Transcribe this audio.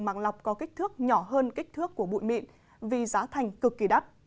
màng lọc có kích thước nhỏ hơn kích thước của bụi mịn vì giá thành cực kỳ đắt